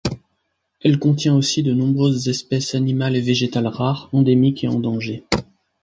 Elle contient aussi de nombreuses espèces animales et végétales rares, endémiques et en danger.